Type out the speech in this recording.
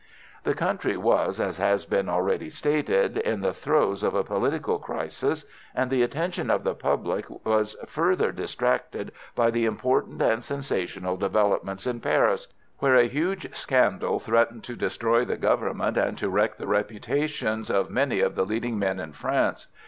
The country was, as has already been stated, in the throes of a political crisis, and the attention of the public was further distracted by the important and sensational developments in Paris, where a huge scandal threatened to destroy the Government and to wreck the reputations of many of the leading men in France.